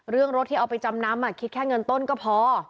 เรื่องรถที่เอาไปจำนำคิดแค่เงินต้นก็พอ